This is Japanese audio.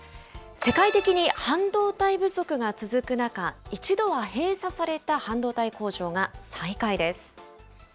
世界的に半導体不足が続く中、一度は閉鎖された半導体工場が再開です。